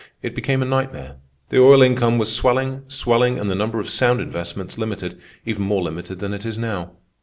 It became a nightmare. The oil income was swelling, swelling, and the number of sound investments limited, even more limited than it is now.